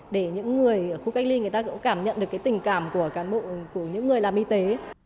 để những người ở khu cách ly người ta cũng cảm nhận được cái tình cảm của những người làm y tế